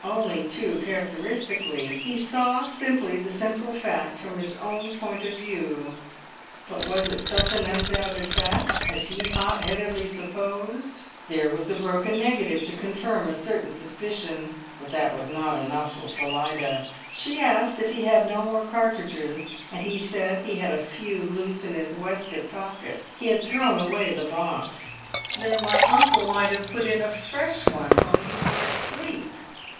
Only too characteristically, he saw simply the central fact from his own point of view; but was it such an undoubted fact as he hot headedly supposed? There was the broken negative to confirm a certain suspicion, but that was not enough for Phillida. She asked if he had no more cartridges, and he said he had a few loose in his waistcoat pocket; he had thrown away the box. "Then my uncle might have put in a fresh one while you were asleep."